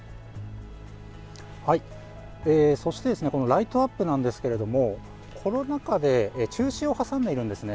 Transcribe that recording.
ライトアップなんですけれどもコロナ禍で中止を挟んでいるんです。